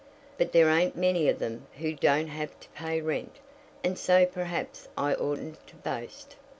But there ain't many of them who don't have to pay rent, and so perhaps I oughtn't to boast."